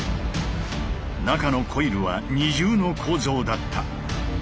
中のコイルは二重の構造だった。